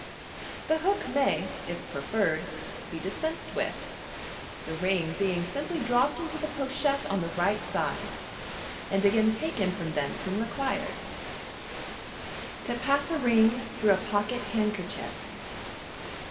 The hook may, if preferred, be dispensed with, the ring being simply dropped into the pochette on the right side, and again takes from thence when required. t28 MODERN MAGIC. To Pass a Ring through a Pocket handkerchief.